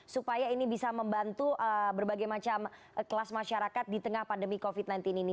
supaya ini bisa membantu berbagai macam kelas masyarakat di tengah pandemi covid sembilan belas ini